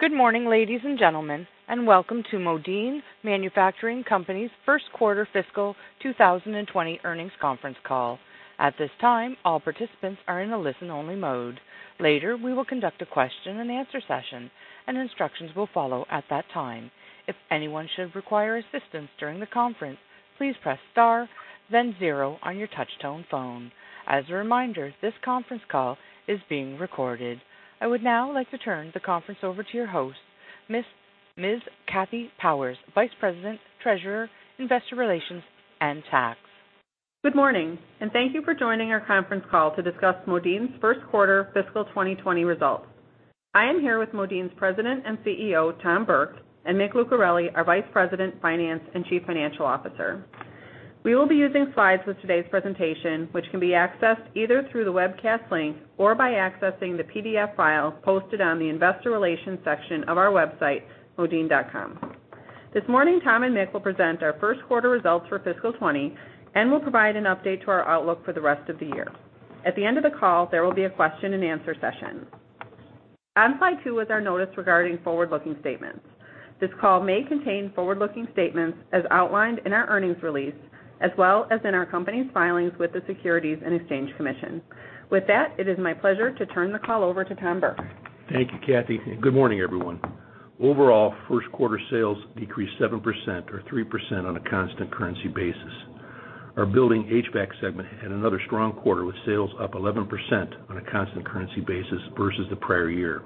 Good morning, ladies and gentlemen, and welcome to Modine Manufacturing Company's First Quarter Fiscal 2020 Earnings Conference Call. At this time, all participants are in a listen-only mode. Later, we will conduct a question-and-answer session, and instructions will follow at that time. If anyone should require assistance during the conference, please press star, then zero on your touch-tone phone. As a reminder, this conference call is being recorded. I would now like to turn the conference over to your host, Ms. Kathy Powers, Vice President, Treasurer, Investor Relations, and Tax. Good morning, and thank you for joining our conference call to discuss Modine's First Quarter Fiscal 2020 Results. I am here with Modine's President and CEO, Tom Burke, and Mick Lucareli, our Vice President, Finance, and Chief Financial Officer. We will be using slides with today's presentation, which can be accessed either through the webcast link or by accessing the PDF file posted on the Investor Relations section of our website, modine.com. This morning, Tom and Mick will present our first quarter results for fiscal 2020 and will provide an update to our outlook for the rest of the year. At the end of the call, there will be a question-and-answer session. On slide two is our notice regarding forward-looking statements. This call may contain forward-looking statements as outlined in our earnings release as well as in our company's filings with the Securities and Exchange Commission. With that, it is my pleasure to turn the call over to Tom Burke. Thank you, Kathy. Good morning, everyone. Overall, first quarter sales decreased 7% or 3% on a constant currency basis. Our Building HVAC segment had another strong quarter with sales up 11% on a constant currency basis versus the prior year.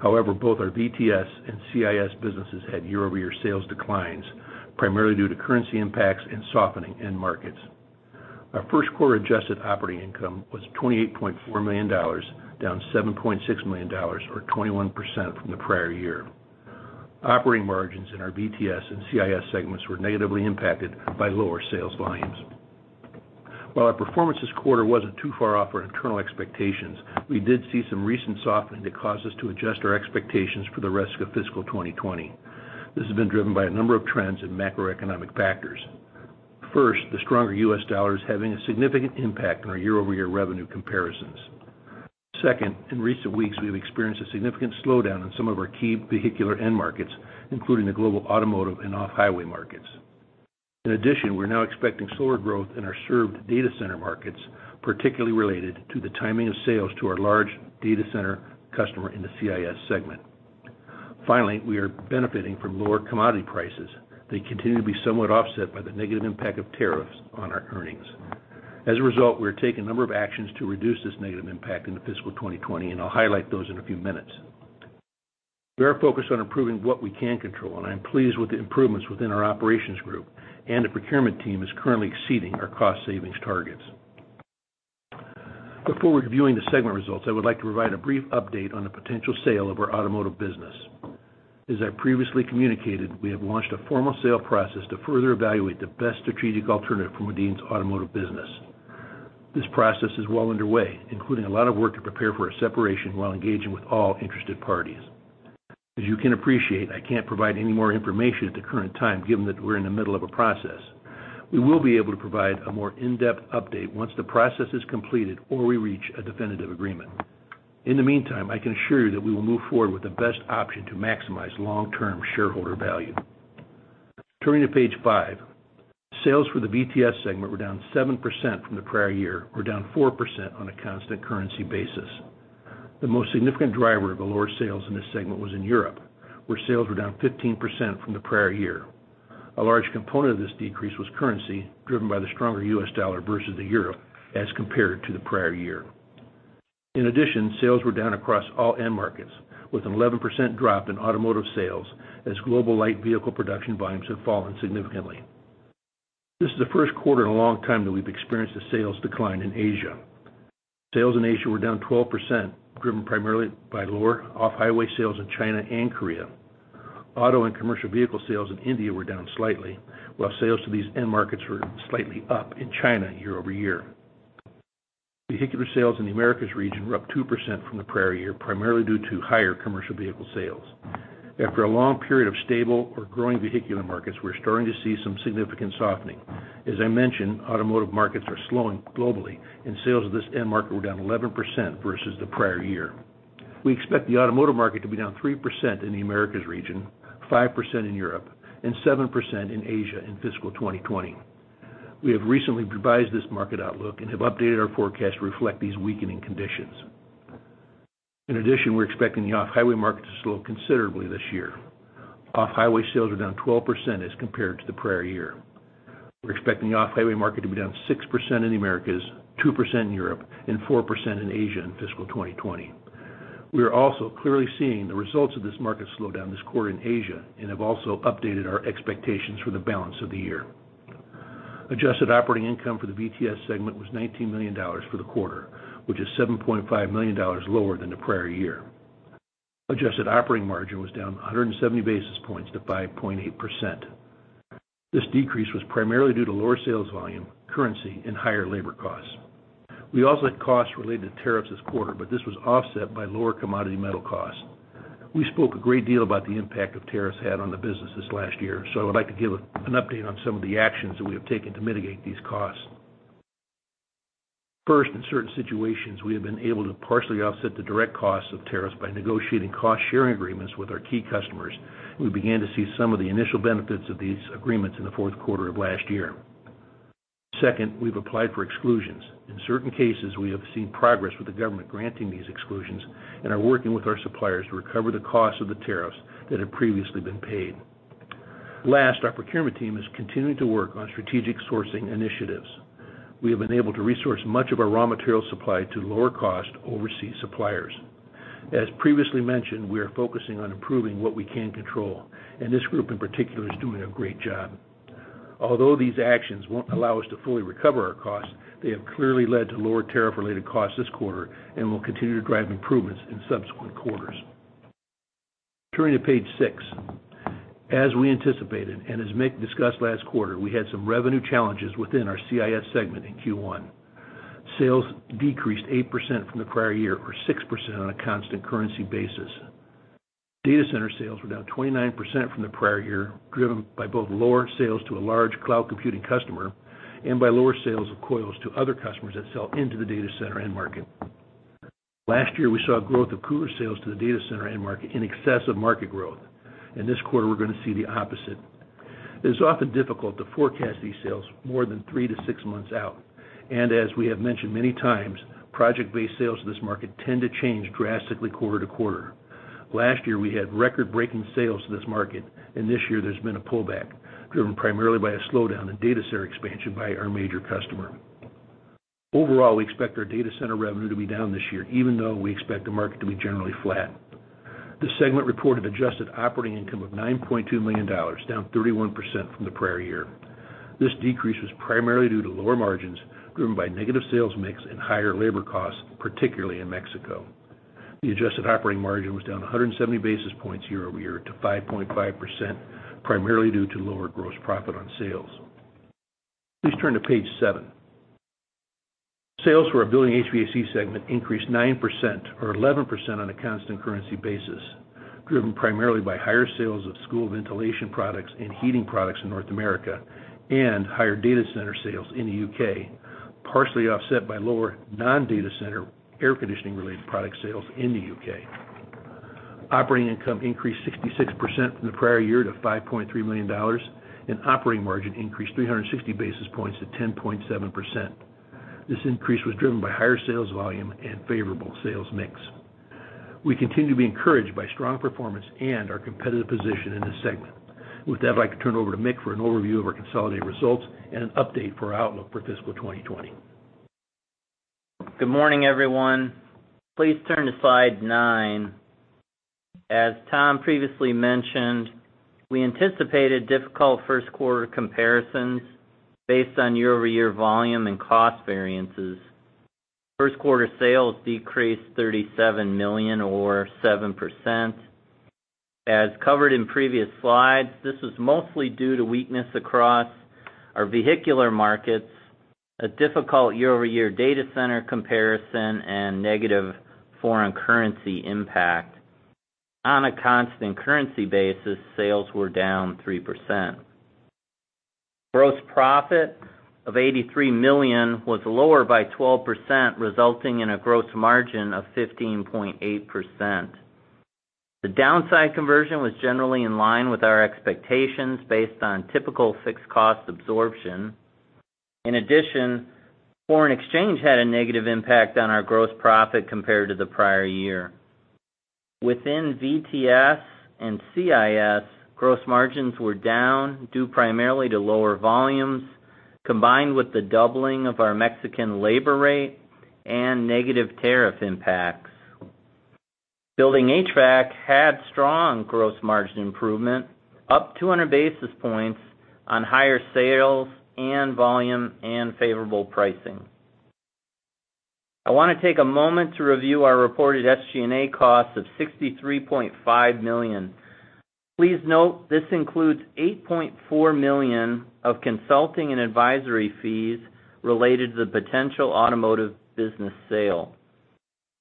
However, both our VTS and CIS businesses had year-over-year sales declines, primarily due to currency impacts and softening in markets. Our first quarter adjusted operating income was $28.4 million, down $7.6 million, or 21% from the prior year. Operating margins in our VTS and CIS segments were negatively impacted by lower sales volumes. While our performance this quarter wasn't too far off our internal expectations, we did see some recent softening that caused us to adjust our expectations for the rest of Fiscal 2020. This has been driven by a number of trends and macroeconomic factors. First, the stronger US dollar is having a significant impact on our year-over-year revenue comparisons. Second, in recent weeks, we've experienced a significant slowdown in some of our key vehicular end markets, including the global automotive and off-highway markets. In addition, we're now expecting slower growth in our served data center markets, particularly related to the timing of sales to our large data center customer in the CIS segment. Finally, we are benefiting from lower commodity prices. They continue to be somewhat offset by the negative impact of tariffs on our earnings. As a result, we're taking a number of actions to reduce this negative impact in Fiscal 2020, and I'll highlight those in a few minutes. We are focused on improving what we can control, and I'm pleased with the improvements within our operations group, and the procurement team is currently exceeding our cost savings targets. Before reviewing the segment results, I would like to provide a brief update on the potential sale of our automotive business. As I previously communicated, we have launched a formal sale process to further evaluate the best strategic alternative for Modine's automotive business. This process is well underway, including a lot of work to prepare for a separation while engaging with all interested parties. As you can appreciate, I can't provide any more information at the current time, given that we're in the middle of a process. We will be able to provide a more in-depth update once the process is completed or we reach a definitive agreement. In the meantime, I can assure you that we will move forward with the best option to maximize long-term shareholder value. Turning to page five, sales for the VTS segment were down 7% from the prior year, or down 4% on a constant currency basis. The most significant driver of the lower sales in this segment was in Europe, where sales were down 15% from the prior year. A large component of this decrease was currency, driven by the stronger U.S. dollar versus the euro as compared to the prior year. In addition, sales were down across all end markets, with an 11% drop in automotive sales as global light vehicle production volumes have fallen significantly. This is the first quarter in a long time that we've experienced a sales decline in Asia. Sales in Asia were down 12%, driven primarily by lower off-highway sales in China and Korea. Auto and commercial vehicle sales in India were down slightly, while sales to these end markets were slightly up in China year-over-year. Vehicular sales in the Americas region were up 2% from the prior year, primarily due to higher commercial vehicle sales. After a long period of stable or growing vehicular markets, we're starting to see some significant softening. As I mentioned, automotive markets are slowing globally, and sales of this end market were down 11% versus the prior year. We expect the automotive market to be down 3% in the Americas region, 5% in Europe, and 7% in Asia in fiscal 2020. We have recently revised this market outlook and have updated our forecast to reflect these weakening conditions. In addition, we're expecting the off-highway market to slow considerably this year. Off-highway sales were down 12% as compared to the prior year. We're expecting the off-highway market to be down 6% in the Americas, 2% in Europe, and 4% in Asia in fiscal 2020. We are also clearly seeing the results of this market slowdown this quarter in Asia and have also updated our expectations for the balance of the year. Adjusted operating income for the VTS segment was $19 million for the quarter, which is $7.5 million lower than the prior year. Adjusted operating margin was down 170 basis points to 5.8%. This decrease was primarily due to lower sales volume, currency, and higher labor costs. We also had costs related to tariffs this quarter, but this was offset by lower commodity metal costs. We spoke a great deal about the impact of tariffs had on the business this last year, so I would like to give an update on some of the actions that we have taken to mitigate these costs. First, in certain situations, we have been able to partially offset the direct costs of tariffs by negotiating cost-sharing agreements with our key customers, and we began to see some of the initial benefits of these agreements in the fourth quarter of last year. Second, we've applied for exclusions. In certain cases, we have seen progress with the government granting these exclusions and are working with our suppliers to recover the costs of the tariffs that had previously been paid. Last, our procurement team is continuing to work on strategic sourcing initiatives. We have been able to resource much of our raw material supply to lower-cost overseas suppliers. As previously mentioned, we are focusing on improving what we can control, and this group in particular is doing a great job. Although these actions won't allow us to fully recover our costs, they have clearly led to lower tariff-related costs this quarter and will continue to drive improvements in subsequent quarters. Turning to page 6, as we anticipated and as Mick discussed last quarter, we had some revenue challenges within our CIS segment in Q1. Sales decreased 8% from the prior year, or 6% on a constant currency basis. Data center sales were down 29% from the prior year, driven by both lower sales to a large cloud computing customer and by lower sales of coils to other customers that sell into the data center end market. Last year, we saw a growth of cooler sales to the data center end market in excess of market growth, and this quarter, we're going to see the opposite. It is often difficult to forecast these sales more than 3-6 months out, and as we have mentioned many times, project-based sales of this market tend to change drastically quarter to quarter. Last year, we had record-breaking sales to this market, and this year, there's been a pullback, driven primarily by a slowdown in data center expansion by our major customer. Overall, we expect our data center revenue to be down this year, even though we expect the market to be generally flat. The segment reported adjusted operating income of $9.2 million, down 31% from the prior year. This decrease was primarily due to lower margins driven by negative sales mix and higher labor costs, particularly in Mexico. The adjusted operating margin was down 170 basis points year-over-year to 5.5%, primarily due to lower gross profit on sales. Please turn to page 7. Sales for our Building HVAC segment increased 9% or 11% on a constant currency basis, driven primarily by higher sales of school ventilation products and heating products in North America and higher data center sales in the U.K., partially offset by lower non-data center air conditioning-related product sales in the U.K. Operating income increased 66% from the prior year to $5.3 million, and operating margin increased 360 basis points to 10.7%. This increase was driven by higher sales volume and favorable sales mix. We continue to be encouraged by strong performance and our competitive position in this segment. With that, I'd like to turn it over to Mick for an overview of our consolidated results and an update for our outlook for fiscal 2020. Good morning, everyone. Please turn to slide nine. As Tom previously mentioned, we anticipated difficult first quarter comparisons based on year-over-year volume and cost variances. First quarter sales decreased $37 million, or 7%. As covered in previous slides, this was mostly due to weakness across our vehicular markets, a difficult year-over-year data center comparison, and negative foreign currency impact. On a constant currency basis, sales were down 3%. Gross profit of $83 million was lower by 12%, resulting in a gross margin of 15.8%. The downside conversion was generally in line with our expectations based on typical fixed cost absorption. In addition, foreign exchange had a negative impact on our gross profit compared to the prior year. Within VTS and CIS, gross margins were down due primarily to lower volumes, combined with the doubling of our Mexican labor rate and negative tariff impacts. Building HVAC had strong gross margin improvement, up 200 basis points on higher sales and volume and favorable pricing. I want to take a moment to review our reported SG&A costs of $63.5 million. Please note this includes $8.4 million of consulting and advisory fees related to the potential automotive business sale.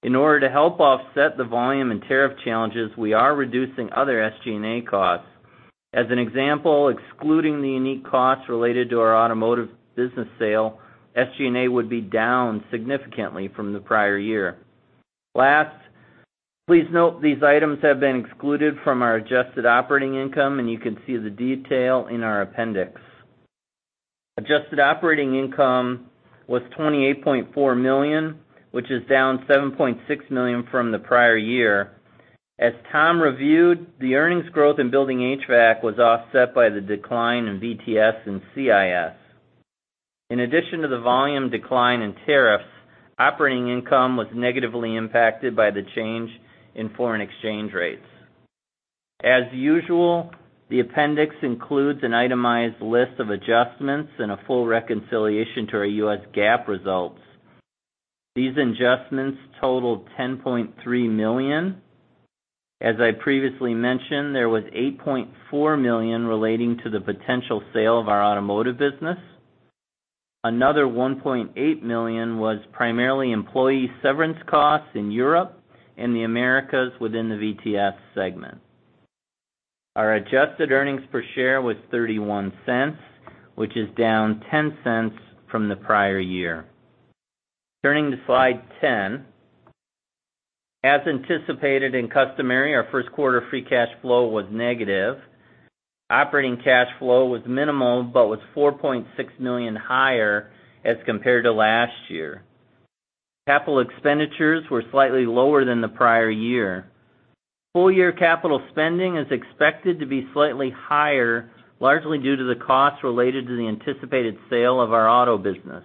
In order to help offset the volume and tariff challenges, we are reducing other SG&A costs. As an example, excluding the unique costs related to our automotive business sale, SG&A would be down significantly from the prior year. Last, please note these items have been excluded from our adjusted operating income, and you can see the detail in our appendix. Adjusted operating income was $28.4 million, which is down $7.6 million from the prior year. As Tom reviewed, the earnings growth in building HVAC was offset by the decline in VTS and CIS. In addition to the volume decline in tariffs, operating income was negatively impacted by the change in foreign exchange rates. As usual, the appendix includes an itemized list of adjustments and a full reconciliation to our U.S. GAAP results. These adjustments totaled $10.3 million. As I previously mentioned, there was $8.4 million relating to the potential sale of our automotive business. Another $1.8 million was primarily employee severance costs in Europe and the Americas within the VTS segment. Our adjusted earnings per share was $0.31, which is down $0.10 from the prior year. Turning to slide 10, as anticipated in customary, our first quarter free cash flow was negative. Operating cash flow was minimal but was $4.6 million higher as compared to last year. Capital expenditures were slightly lower than the prior year. Full-year capital spending is expected to be slightly higher, largely due to the costs related to the anticipated sale of our auto business.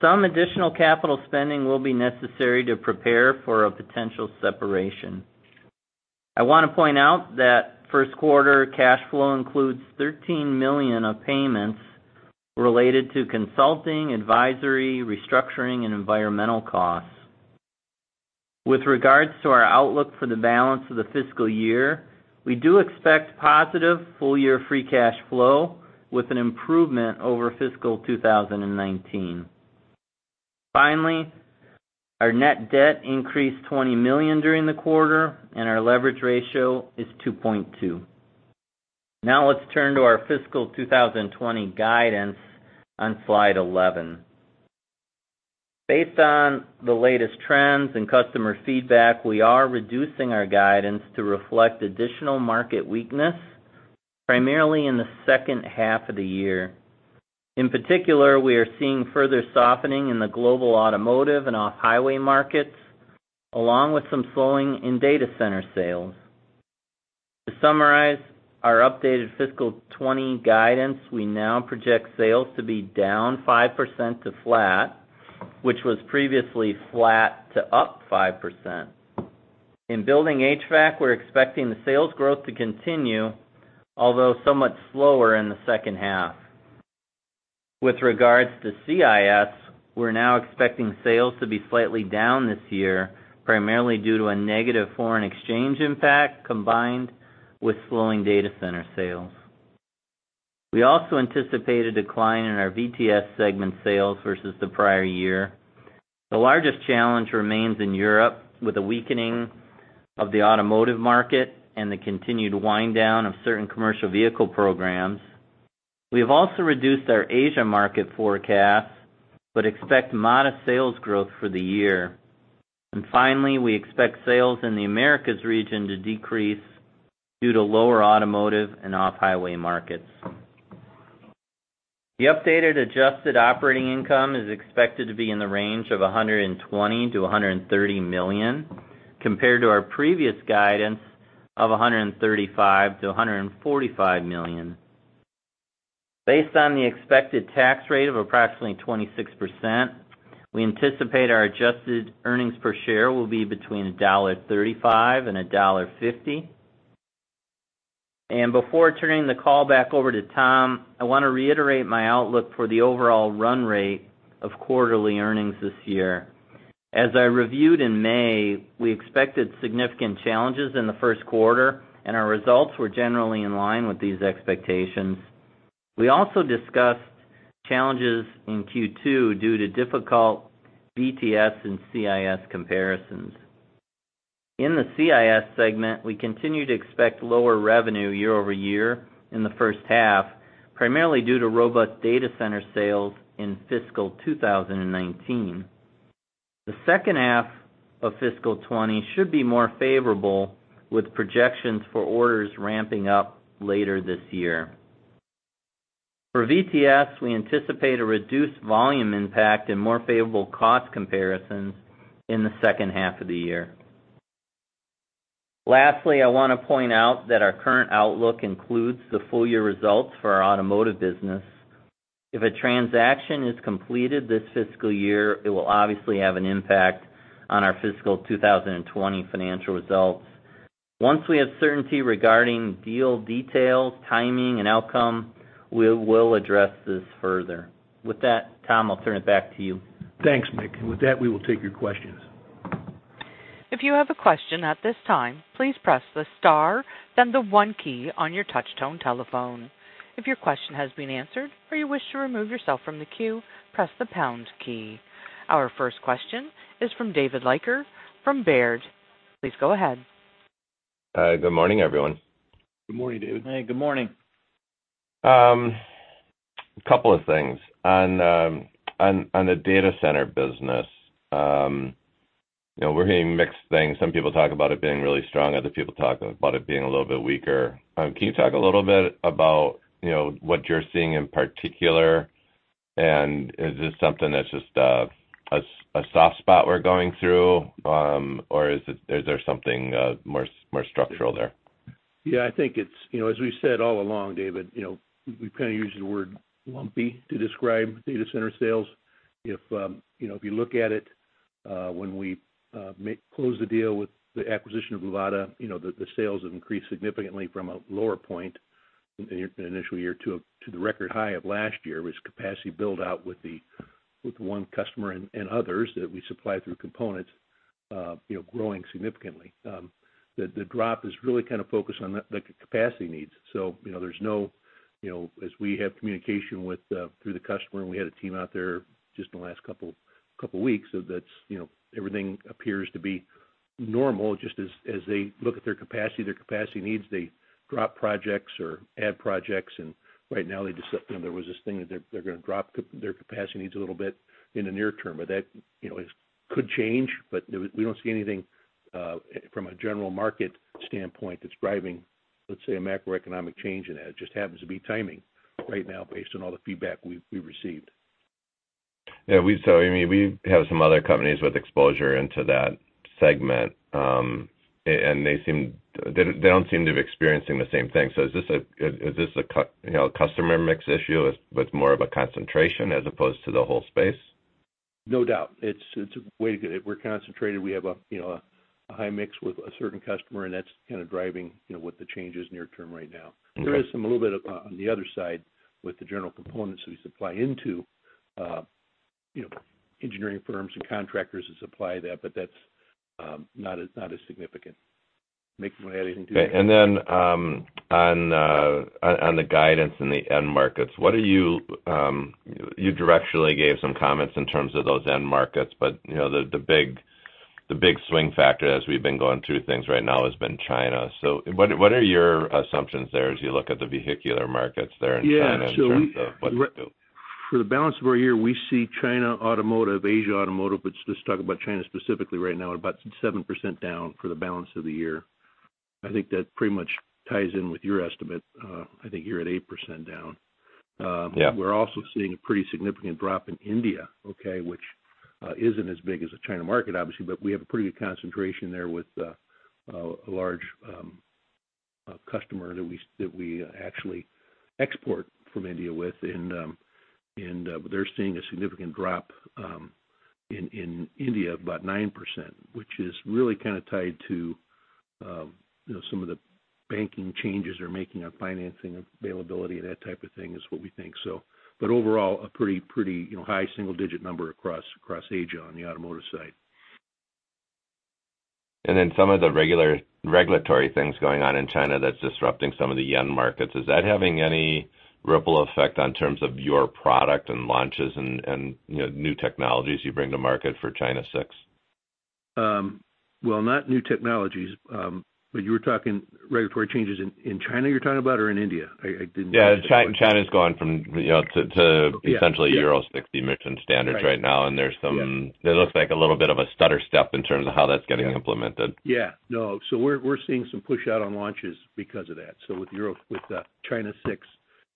Some additional capital spending will be necessary to prepare for a potential separation. I want to point out that first quarter cash flow includes $13 million of payments related to consulting, advisory, restructuring, and environmental costs. With regards to our outlook for the balance of the fiscal year, we do expect positive full-year free cash flow with an improvement over fiscal 2019. Finally, our net debt increased $20 million during the quarter, and our leverage ratio is 2.2. Now let's turn to our fiscal 2020 guidance on slide 11. Based on the latest trends and customer feedback, we are reducing our guidance to reflect additional market weakness, primarily in the second half of the year. In particular, we are seeing further softening in the global automotive and off-highway markets, along with some slowing in data center sales. To summarize our updated fiscal 2020 guidance, we now project sales to be down 5% to flat, which was previously flat to up 5%. In Building HVAC, we're expecting the sales growth to continue, although somewhat slower in the second half. With regards to CIS, we're now expecting sales to be slightly down this year, primarily due to a negative foreign exchange impact combined with slowing data center sales. We also anticipate a decline in our VTS segment sales versus the prior year. The largest challenge remains in Europe, with a weakening of the automotive market and the continued wind down of certain commercial vehicle programs. We have also reduced our Asia market forecast but expect modest sales growth for the year. Finally, we expect sales in the Americas region to decrease due to lower automotive and off-highway markets. The updated adjusted operating income is expected to be in the range of $120 million-$130 million, compared to our previous guidance of $135 million-$145 million. Based on the expected tax rate of approximately 26%, we anticipate our adjusted earnings per share will be between $1.35 and $1.50. Before turning the call back over to Tom, I want to reiterate my outlook for the overall run rate of quarterly earnings this year. As I reviewed in May, we expected significant challenges in the first quarter, and our results were generally in line with these expectations. We also discussed challenges in Q2 due to difficult VTS and CIS comparisons. In the CIS segment, we continue to expect lower revenue year-over-year in the first half, primarily due to robust data center sales in fiscal 2019. The second half of fiscal 2020 should be more favorable, with projections for orders ramping up later this year. For VTS, we anticipate a reduced volume impact and more favorable cost comparisons in the second half of the year. Lastly, I want to point out that our current outlook includes the full-year results for our automotive business. If a transaction is completed this fiscal year, it will obviously have an impact on our fiscal 2020 financial results. Once we have certainty regarding deal details, timing, and outcome, we will address this further. With that, Tom, I'll turn it back to you. Thanks, Mick. With that, we will take your questions. If you have a question at this time, please press the star, then the one key on your touch-tone telephone. If your question has been answered or you wish to remove yourself from the queue, press the pound key. Our first question is from David Leiker from Baird. Please go ahead. Hi. Good morning, everyone. Good morning, David. Hi, good morning. A couple of things. On the data center business, we're hearing mixed things. Some people talk about it being really strong. Other people talk about it being a little bit weaker. Can you talk a little bit about what you're seeing in particular? And is this something that's just a soft spot we're going through, or is there something more structural there? Yeah, I think it's, as we've said all along, David, we've kind of used the word lumpy to describe data center sales. If you look at it, when we closed the deal with the acquisition of Luvata, the sales have increased significantly from a lower point in the initial year to the record high of last year, which is capacity build-out with one customer and others that we supply through components, growing significantly. The drop is really kind of focused on the capacity needs. So there's no, as we have communication through the customer, and we had a team out there just in the last couple of weeks, that everything appears to be normal. Just as they look at their capacity, their capacity needs, they drop projects or add projects. Right now, there was this thing that they're going to drop their capacity needs a little bit in the near term. But that could change, but we don't see anything from a general market standpoint that's driving, let's say, a macroeconomic change in that. It just happens to be timing right now based on all the feedback we've received. Yeah, we have some other companies with exposure into that segment, and they don't seem to be experiencing the same thing. Is this a customer mix issue? It's more of a concentration as opposed to the whole space? No doubt. It's a way to get it. We're concentrated. We have a high mix with a certain customer, and that's kind of driving what the change is near term right now. There is a little bit on the other side with the general components we supply into engineering firms and contractors that supply that, but that's not as significant. Mick, do you want to add anything to that? And then on the guidance in the end markets, you directionally gave some comments in terms of those end markets, but the big swing factor, as we've been going through things right now, has been China. So what are your assumptions there as you look at the vehicular markets there in China in terms of what to do? Yeah. So for the balance of our year, we see China automotive, Asia automotive, let's just talk about China specifically right now, about 7% down for the balance of the year. I think that pretty much ties in with your estimate. I think you're at 8% down. We're also seeing a pretty significant drop in India, which isn't as big as the China market, obviously, but we have a pretty good concentration there with a large customer that we actually export from India with. And they're seeing a significant drop in India, about 9%, which is really kind of tied to some of the banking changes they're making on financing availability and that type of thing is what we think. But overall, a pretty high single-digit number across Asia on the automotive side. And then some of the regulatory things going on in China that's disrupting some of the end markets, is that having any ripple effect on terms of your product and launches and new technologies you bring to market for China 6? Well, not new technologies. But you were talking regulatory changes in China, you're talking about, or in India? Yeah, China's going to essentially Euro 6 emission standards right now, and there looks like a little bit of a stutter step in terms of how that's getting implemented. Yeah. No, so we're seeing some push out on launches because of that. So with China 6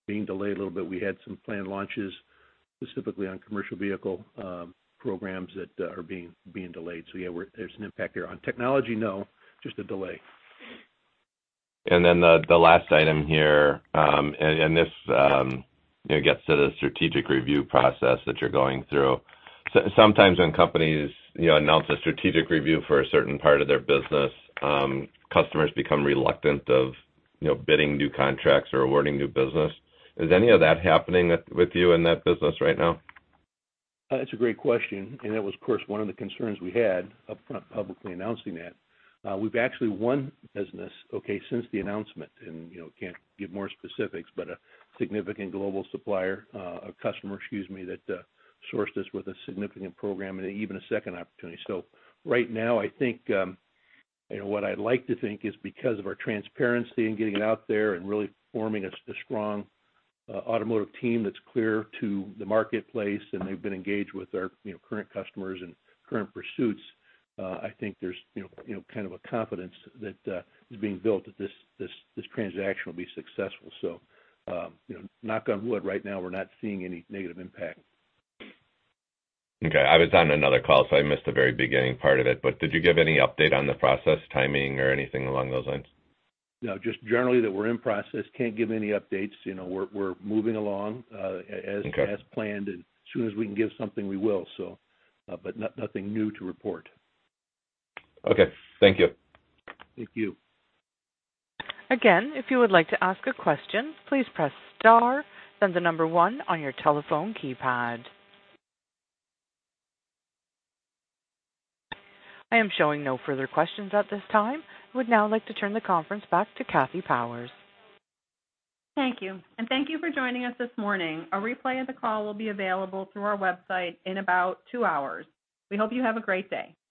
being delayed a little bit, we had some planned launches specifically on commercial vehicle programs that are being delayed. So yeah, there's an impact there. On technology, no, just a delay. And then the last item here, and this gets to the strategic review process that you're going through. Sometimes when companies announce a strategic review for a certain part of their business, customers become reluctant of bidding new contracts or awarding new business. Is any of that happening with you in that business right now? That's a great question. That was, of course, one of the concerns we had upfront publicly announcing that. We've actually won business since the announcement, and I can't give more specifics, but a significant global supplier, a customer, excuse me, that sourced us with a significant program and even a second opportunity. Right now, I think what I'd like to think is because of our transparency in getting it out there and really forming a strong automotive team that's clear to the marketplace and they've been engaged with our current customers and current pursuits, I think there's kind of a confidence that is being built that this transaction will be successful. Knock on wood, right now, we're not seeing any negative impact. Okay. I was on another call, so I missed the very beginning part of it, but did you give any update on the process, timing, or anything along those lines? No, just generally that we're in process. Can't give any updates. We're moving along as planned, and as soon as we can give something, we will. But nothing new to report. Okay. Thank you. Thank you. Again, if you would like to ask a question, please press star, then the number one on your telephone keypad. I am showing no further questions at this time. I would now like to turn the conference back to Kathy Powers. Thank you. Thank you for joining us this morning. A replay of the call will be available through our website in about two hours. We hope you have a great day.